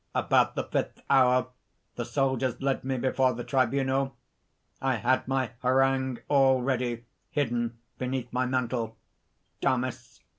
"About the fifth hour, the soldiers led me before the tribunal. I had my harangue all ready hidden beneath my mantle." DAMIS.